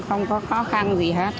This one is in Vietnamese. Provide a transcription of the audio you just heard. không có khó khăn gì hết